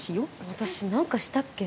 私何かしたっけ？